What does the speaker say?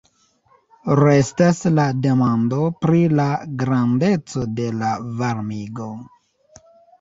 Restas la demando pri la grandeco de la varmigo.